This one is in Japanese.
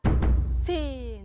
せの。